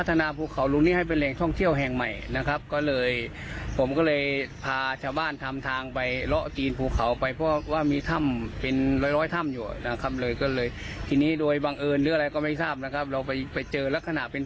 เดี๋ยวฟังลุงแว่นกันแล้วกัน